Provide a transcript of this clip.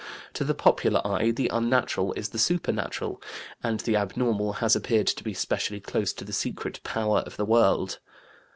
To the popular eye the unnatural is the supernatural, and the abnormal has appeared to be specially close to the secret Power of the World.